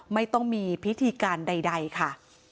ไม่ต้องมีพิธีการใดค่ะ